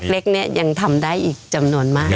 เล็กนี้ยังทำได้อีกจำนวนมาก